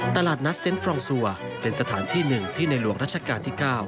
ตลาดนัดเซ็นต์ฟรองซัวเป็นสถานที่หนึ่งที่ในหลวงรัชกาลที่๙